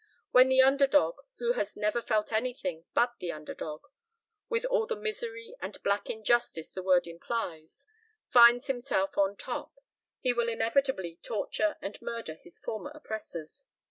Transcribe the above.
When the underdog, who has never felt anything but an underdog, with all the misery and black injustice the word implies, finds himself on top he will inevitably torture and murder his former oppressors.